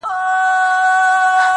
هغه جنتي حوره ته انسانه دا توپیر دی-